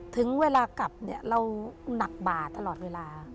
ถึงเวลากลับเนี่ยเราหนักบ่าตลอดเวลา